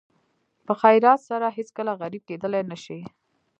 په خیرات سره هېڅکله غریب کېدلی نه شئ.